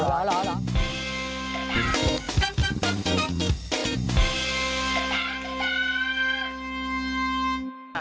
แซงเซรน่ากโกเมสล่ะ